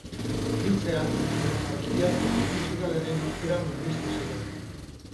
Hiltzean, monarkia konstituzionalaren aukerak murriztu ziren.